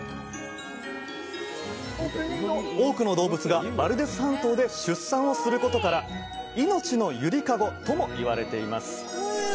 多くの動物がバルデス半島で出産をすることから「いのちのゆりかご」ともいわれています